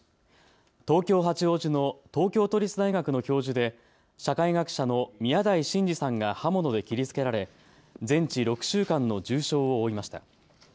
東京八王子の東京都立大学の教授で社会学者の宮台真司さんが刃物で切りつけられ全治６週間の重傷を負いました。